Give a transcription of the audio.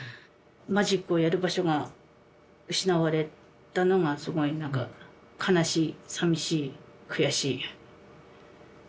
マジックをやる場所が失われたのがすごく悲しい寂しい悔しい。